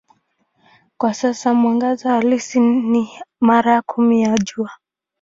Kwa sasa mwangaza halisi ni mara kumi ya Jua.